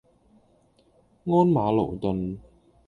鞍馬勞頓